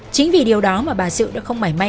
chính vì điều đó mà bà sự đã không mảy may